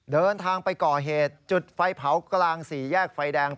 เดินทางไปก่อเหตุจุดไฟเผากลางสี่แยกไฟแดง